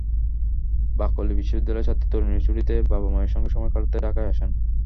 Berkeley বিশ্ববিদ্যালয়ের ছাত্রী তারুশি ছুটিতে বাবা-মায়ের সঙ্গে সময় কাটাতে ঢাকায় আসেন।